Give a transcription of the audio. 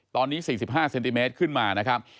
ตอนนี้๔๕เซนติเมตรขึ้นมานะครับ